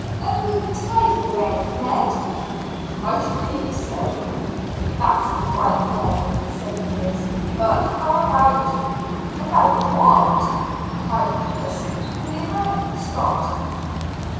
"Oh, tidily eh, Ned?" "I should think so!" "That's all right then," said Griggs; "but how about " "About what?" cried Chris, for the American stopped.